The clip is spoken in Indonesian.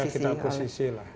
ya kita akusisi lah